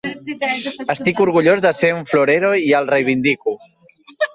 Estic orgullós de ser un ‘florero’ i el reivindico.